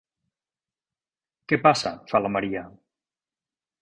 Què passa? –fa la Maria.